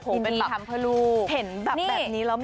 ผมเป็นแบบเห็นแบบนี้แล้วมันประทับใจ